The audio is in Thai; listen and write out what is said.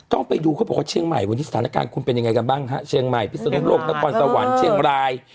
ต้องไปดูเขาบอกว่าเชียงใหม่วันนี้สถานการณ์คุณเป็นยังไงกันบ้างฮะเชียงใหม่พิศนุโลกนครสวรรค์เชียงราย